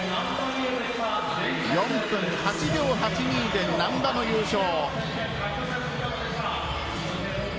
４分８秒８２で難波の優勝。